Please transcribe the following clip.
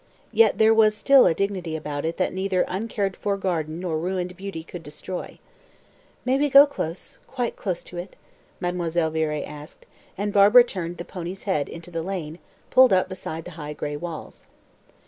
Yet there was still a dignity about it that neither uncared for garden nor ruined beauty could destroy. "May we go close, quite close to it?" Mademoiselle Viré asked, and Barbara turning the pony's head into the lane, pulled up beside the high gray walls.